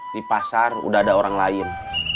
di pasar udah ada orang lain